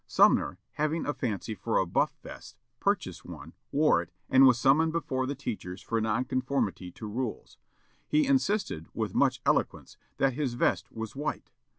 Sumner, having a fancy for a buff vest, purchased one, wore it, and was summoned before the teachers for non conformity to rules. He insisted, with much eloquence, that his vest was white.